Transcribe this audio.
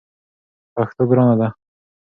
پښتو ګرانه ده!